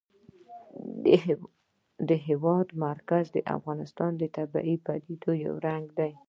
د هېواد مرکز د افغانستان د طبیعي پدیدو یو رنګ دی.